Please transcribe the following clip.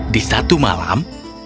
di satu malam